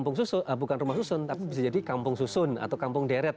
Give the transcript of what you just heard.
bukan rumah susun tapi bisa jadi kampung susun atau kampung deret